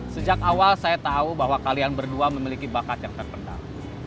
sejak awal saya tahu bahwa kalian berdua memiliki bakat yang terpendam